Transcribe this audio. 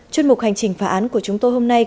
chuyên mục hành trình phá án của chúng tôi hôm nay